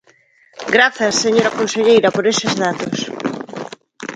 Grazas, señora conselleira, por eses datos.